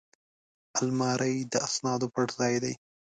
الماري د اسنادو پټ ځای دی